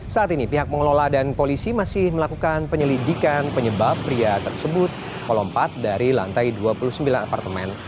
saat ini pihak pengelola dan polisi masih melakukan penyelidikan penyebab pria tersebut melompat dari lantai dua puluh sembilan apartemen